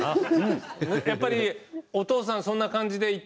やっぱりお父さんそんな感じで言ってるんだ？